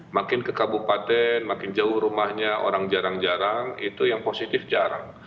makin ke kabupaten makin jauh rumahnya orang jarang jarang itu yang positif jarang